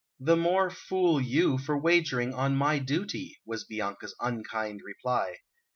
"The more fool you, for wagering on my duty!" was Bianca's unkind reply.